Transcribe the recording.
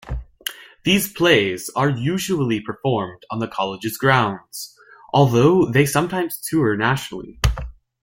These plays are usually performed on the college's grounds, although they sometimes tour nationally.